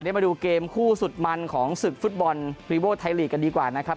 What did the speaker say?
มาดูเกมคู่สุดมันของศึกฟุตบอลรีโวไทยลีกกันดีกว่านะครับ